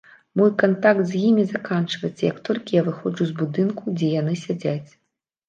Мой кантакт з імі заканчваецца, як толькі я выходжу з будынку, дзе яны сядзяць.